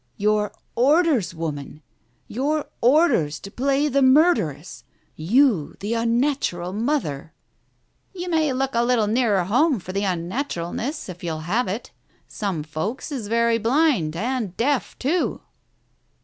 "" Your orders, woman ! Your orders to play the murderess! You, the unnatural mother " "You may look a little nearer home for the unnatural ness, if you will have it ? Some folks is very blind, and deaf, too."